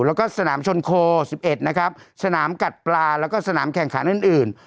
แล้วก็สนามชนโค๑๑นะครับสนามกัดปลาแล้วก็สนามแข่งขันอื่น